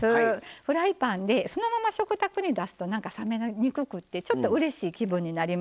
フライパンでそのまま食卓に出すとなんか冷めにくくてちょっとうれしい気分になりますしね